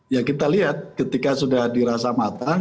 ya kita lihat ketika sudah dirasa matang